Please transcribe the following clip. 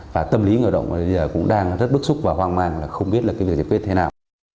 và tâm lý người động bây giờ cũng đang rất bức xúc và hoang mang là không biết là cái việc giải quyết thế nào